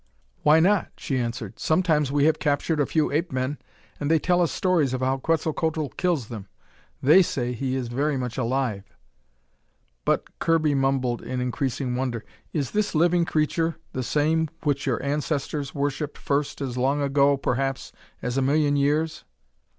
"Why not?" she answered. "Sometimes we have captured a few ape men, and they tell us stories of how Quetzalcoatl kills them. They say he is very much alive." "But," Kirby mumbled in increasing wonder, "is this living creature the same which your ancestors worshipped first as long ago, perhaps, as a million years?"